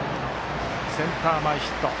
センター前ヒット。